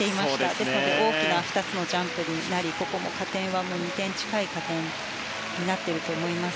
ですので、大きな２つのジャンプになり２点近い加点になっていると思います。